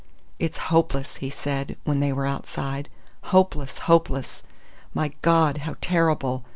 "It's hopeless," he said, when they were outside, "hopeless, hopeless! My God! How terrible!